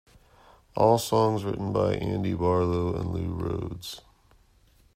All songs written by Andy Barlow and Lou Rhodes.